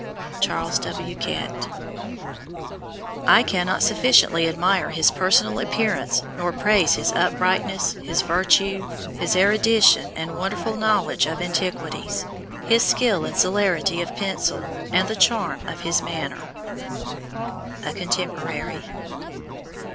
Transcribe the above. CHAS. W. KETT. I cannot sufficiently admire his personal appearance nor praise his uprightness, his virtue, his erudition and wonderful knowledge of antiquities, his skill and celerity of pencil, and the charm of his manner. A CONTEMPORARY.